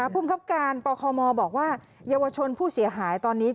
ภูมิครับการปคมบอกว่าเยาวชนผู้เสียหายตอนนี้